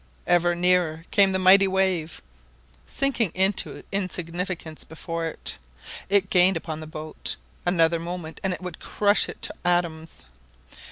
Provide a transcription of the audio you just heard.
Ever nearer came the mighty wave, all lesser billows sinking into insignificance before it. It gained upon the boat, another moment and it would crush it to atoms.